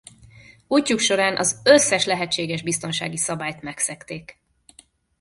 Útjuk során az összes lehetséges biztonsági szabályt megszegték.